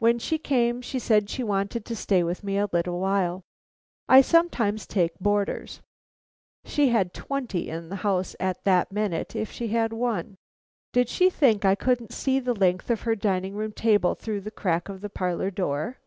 When she came she said she wanted to stay with me a little while. I sometimes take boarders " She had twenty in the house at that minute, if she had one. Did she think I couldn't see the length of her dining room table through the crack of the parlor door?